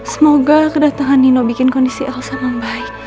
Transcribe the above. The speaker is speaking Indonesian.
semoga kedatangan nino bikin kondisi elsa membaik